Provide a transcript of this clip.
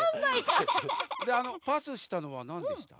であのパスしたのはなんでした？